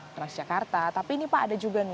transjakarta tapi ini pak ada juga nih